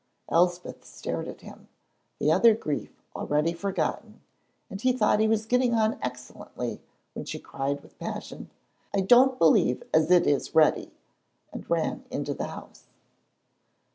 Elspeth stared at him, the other grief already forgotten, and he thought he was getting on excellently, when she cried with passion, "I don't believe as it is Reddy!" and ran into the house.